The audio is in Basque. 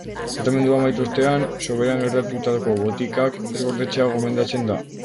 Tratamendua amaitu ostean soberan geratutako botikak ez gordetzea gomendatzen da.